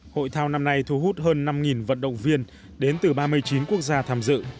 hội thao năm nay thu hút hơn năm vận động viên đến từ ba mươi chín quốc gia tham dự